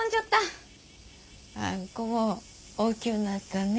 あん子も大きゅうなったね。